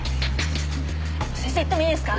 先生行ってもいいですか？